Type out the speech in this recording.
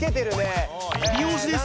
美容師です！